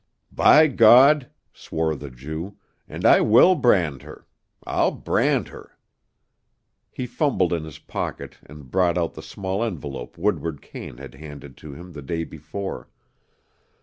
"By God!" swore the Jew, "and I will brand her. I'll brand her." He fumbled in his pocket and brought out the small envelope Woodward Kane had handed to him the day before.